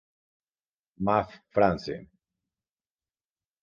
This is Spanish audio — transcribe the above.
Map France